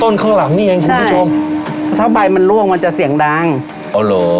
ข้างหลังนี่เองคุณผู้ชมถ้าใบมันล่วงมันจะเสียงดังอ๋อเหรอ